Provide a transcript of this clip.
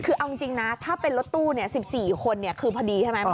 คือเอาจริงนะถ้าเป็นรถตู้๑๔คนคือพอดีใช่ไหม